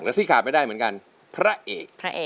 และที่ขาไปได้เหมือนกันพระเอก